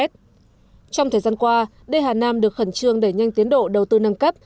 trong thời gian qua đê hà nam được khẩn trương đẩy nhanh tiến độ đầu tư nâng cấp